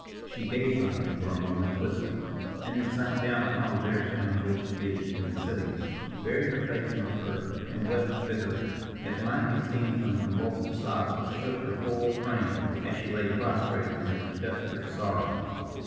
She gazed on him for a moment wistfully, and then sank down upon the bearskin on which he had been sitting, buried her face in the fur, and wept bitterly, as might be seen from the convulsive sobs which shook her whole frame as she lay prostrate in her desperate sorrow.